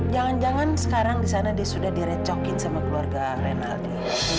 jangan jangan sekarang di sana dia sudah direcokin sama keluarga renaldi